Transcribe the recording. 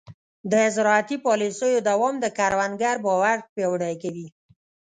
د زراعتي پالیسیو دوام د کروندګر باور پیاوړی کوي.